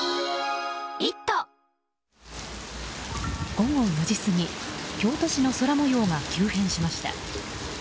午後４時過ぎ京都市の空模様は急変しました。